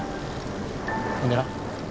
ほんでな